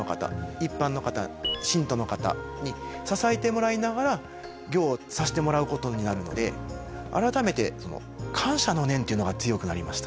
一般の方信徒の方に支えてもらいながら行をさせてもらう事になるので改めて感謝の念っていうのが強くなりました。